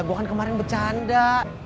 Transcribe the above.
gue kan kemarin bercanda